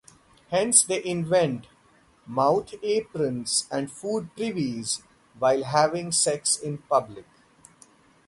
Hence they invent mouth aprons and food privies, while having sex in public.